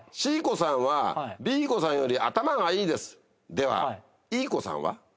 Ｃ子さんはＢ子さんより頭がいいです。ではＥ子さんは？」。